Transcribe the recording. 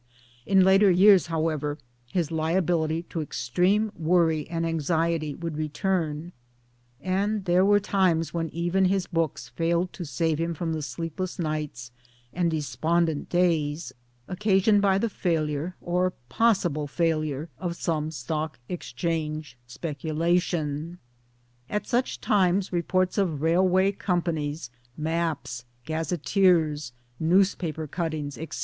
' In later years, however, his liability to extreme worry and anxiety would return ; and there were times when even his books failed to save him from the sleep less nights and despondent days occasioned by the failure or possible failure of some Stock Exchange speculation. At such times reports of railway com panies, maps, gazetteers, newspaper cuttings, etc.